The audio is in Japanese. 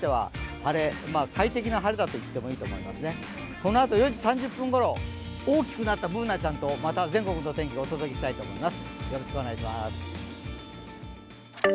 このあと４時３０分ごろ、大きくなったＢｏｏｎａちゃんと、また全国の天気をお届けしたいと思います。